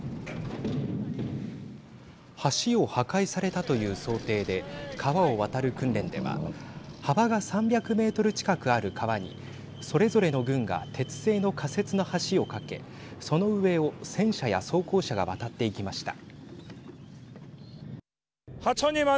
橋を破壊されたという想定で川を渡る訓練では幅が３００メートル近くある川にそれぞれの軍が鉄製の仮設の橋を架けその上を戦車や装甲車が渡っていきました。